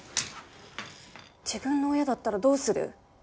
自分の親だったらどうする？